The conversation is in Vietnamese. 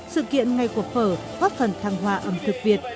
sự kiện ngày của phở góp phần thăng hoa ẩm thực việt